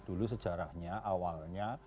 dulu sejarahnya awalnya